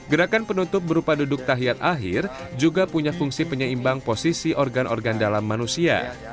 gerakan penutup berupa duduk tahiyad akhir juga punya fungsi penyeimbang posisi organ organ dalam manusia